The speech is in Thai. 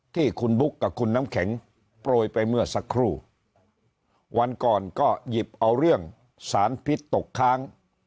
ที่คุณบุ๊คกับคุณน้ำแข็งโปรยไปเมื่อสักครู่วันก่อนก็หยิบเอาเรื่องสารพิษตกค้าง